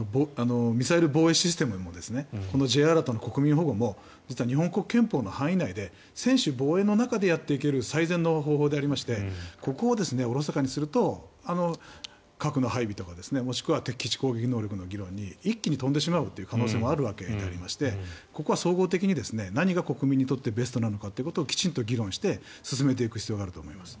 ミサイル防衛システムもＪアラートの国民保護も実は日本国憲法の範囲内で専守防衛の中でやっていける最善の方法でありましてここをおろそかにすると核の配備とかもしくは敵基地攻撃能力の議論に一気に飛んでしまうという可能性もあるわけでありましてここは総合的に何が国民にとってベストなのかということをきちんと議論して進めていく必要があると思います。